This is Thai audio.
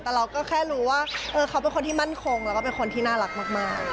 แต่เราก็แค่รู้ว่าเขาเป็นคนที่มั่นคงแล้วก็เป็นคนที่น่ารักมาก